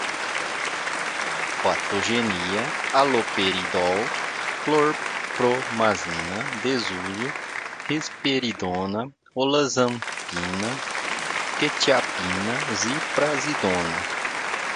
patogenia, haloperidol, clorpromazina, desuso, risperidona, olanzapina, quetiapina, ziprasidona